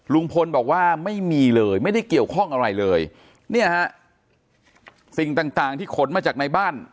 ลุงพลบอกว่าไม่มีเลยไม่ได้เกี่ยวข้องอะไรเลยเนี่ยฮะสิ่งต่างต่างที่ขนมาจากในบ้าน